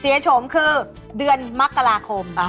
เศชโฉมคือเดือนมักราคม